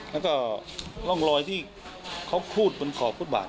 แล้วก็ร่องรอยที่เขาคูดบนขอบฟุตบาท